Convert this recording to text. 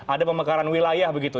ada pemekaran wilayah begitu